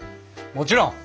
もちろん！